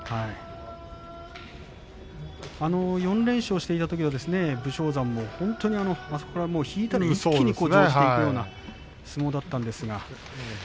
４連勝しているときは武将山も引いたら一気に乗じていくような相撲だったんですが。